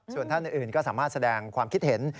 ส่วนท่านอื่นก็สามารถแสดงความคิดเห็น